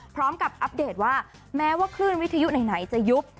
อัปเดตว่าแม้ว่าคลื่นวิทยุไหนจะยุบ